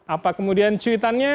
apa kemudian tweetannya